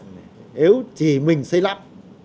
nếu chỉ mình xây lắp